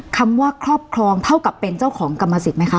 คำว่าครอบครองเท่ากับเป็นเจ้าของกรรมสิทธิไหมคะ